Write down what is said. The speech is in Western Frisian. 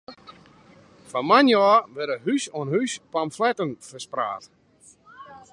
Fan moandei ôf wurde hûs oan hûs pamfletten ferspraat.